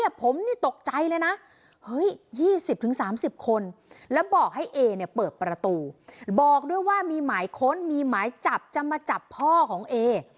บอกให้เอเนี่ยเปิดประตูบอกด้วยว่ามีหมายค้นมีหมายจับจะมาจับพ่อของเอ